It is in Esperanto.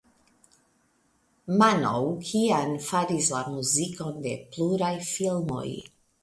Manoukian faris la muzikon de pluraj filmoj.